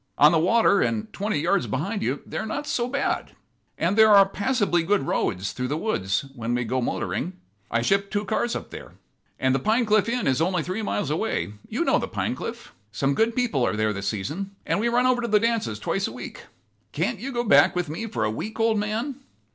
On the water, and twenty yards behind you, they are not so bad. And there are passably good roads through the woods where we go motoring. I shipped two cars up there. And the Pinecliff Inn is only three miles away. You know the Pinecliff. Some good people are there this season, and we run over to the dances twice a week. Can't you go back with me for a week, old man?"